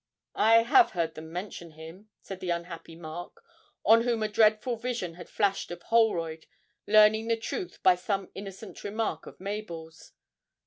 'I have heard them mention him,' said the unhappy Mark, on whom a dreadful vision had flashed of Holroyd learning the truth by some innocent remark of Mabel's.